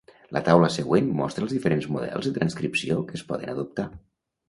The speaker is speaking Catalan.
La taula següent mostra els diferents models de transcripció que es poden adoptar.